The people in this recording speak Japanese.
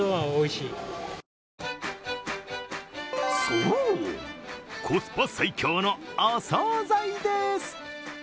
そう、コスパ最強のお総菜です。